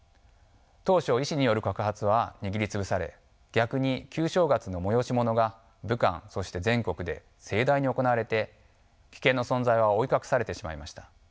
当初医師による告発は握り潰され逆に旧正月の催し物が武漢そして全国で盛大に行われて危険の存在は覆い隠されてしまいました。